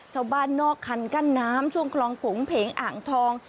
ชาวบ้านนอกคันกั้นน้ำช่วงคลองผงเพงอ่างทอง